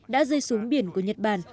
đã rơi xuống biển của nhật bản